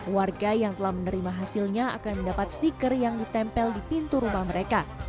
warga yang telah menerima hasilnya akan mendapat stiker yang ditempel di pintu rumah mereka